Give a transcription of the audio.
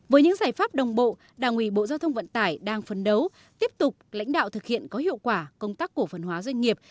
với những giải pháp đồng bộ đảng ủy bộ giao thông vận tải đang phấn đấu tiếp tục lãnh đạo thực hiện có hiệu quả công tác cổ phần hóa doanh nghiệp